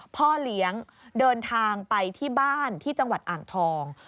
พ่อเลี้ยงเดินทางไปที่บ้านที่จังหวัดอ่างทอง